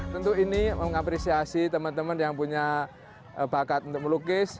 tentu ini mengapresiasi teman teman yang punya bakat untuk melukis